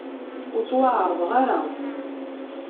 Ur ttwaɛerḍeɣ ara.